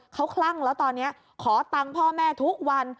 เขาคลั่งแล้วตอนนี้ขอตังค์พ่อแม่ทุกวัน